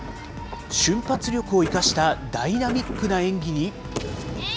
瞬発力を生かしたダイナミックな演技に。